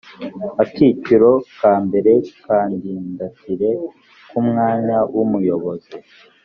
Akiciro ka mbere Kandidatire ku mwanya w ubuyobozi